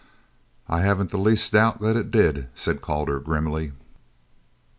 "I haven't the least doubt that it did," said Calder grimly.